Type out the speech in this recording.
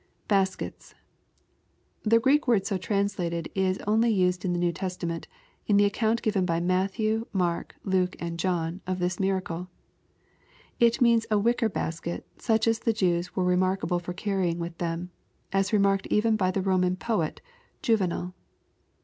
[Baskets] The Greek word so translated is only used in the New Testament, in the account given by Matthew, Mark, Luke, and John, of this miracle. It means a wicker basket such as the Jews were remarkable for carrying with them, as remarked even by the Roman poet, Juvenal.